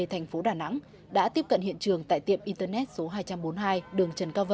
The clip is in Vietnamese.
thành phố đà nẵng đã tiếp cận hiện trường tại tiệm internet số hai trăm bốn mươi hai